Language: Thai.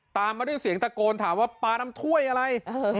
ตามมาด้วยเสียงตะโกนถามว่าปลาน้ำถ้วยอะไร